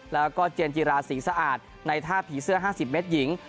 แล้วก็เจนจิราศรีสะอาดในท่าผีเสื้อ๕๐เมตรหญิง